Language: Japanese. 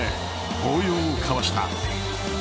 抱擁を交わした。